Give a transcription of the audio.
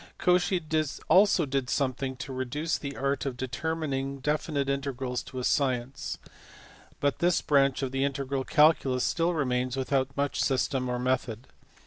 Cauchy also did something to reduce the art of determining definite integrals to a science, but this branch of the integral calculus still remains without much system or method.